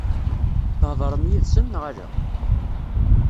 Theḍṛem yid-sen neɣ ala?